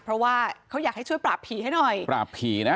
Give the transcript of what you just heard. เพราะว่าเขาอยากให้ช่วยปราบผีให้หน่อยปราบผีนะ